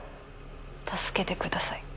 助けてください。